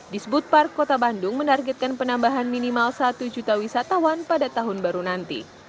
disbut park kota bandung menargetkan penambahan minimal satu juta wisatawan pada tahun baru nanti